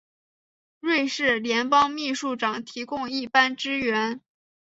瑞士联邦秘书长提供一般支援。